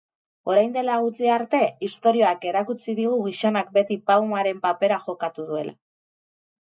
Orain dela gutxi arte historiak erakutsi digu gizonak beti paumaren papera jokatu duela.